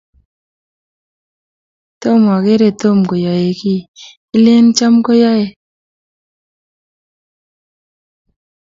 tomakere tom koyaei kie Lin Cham koyaei